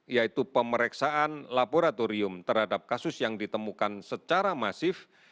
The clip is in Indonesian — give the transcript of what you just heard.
yaitu pemeriksaan laboratorium terhadap kasus yang ditemukan secara masif